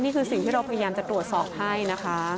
นี่คือสิ่งที่เราพยายามจะตรวจสอบให้นะคะ